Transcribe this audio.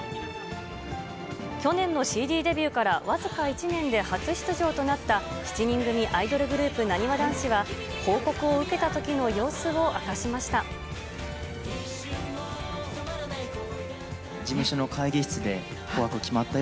去年のＣＤデビューから僅か１年で初出場となった７人組アイドルグループ、なにわ男子は、報告を受けたときの様子を明かしました。